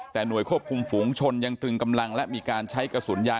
แต่หน่วยควบคุมฝูงชนยังตรึงกำลังและมีการใช้กระสุนยาง